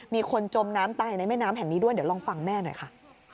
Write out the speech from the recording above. มีคนจมน้ำตายในแม่น้ำแห่งนี้ด้วยเดี๋ยวลองฟังแม่หน่อยค่ะ